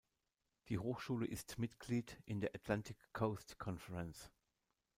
Die Hochschule ist Mitglied in der "Atlantic Coast Conference".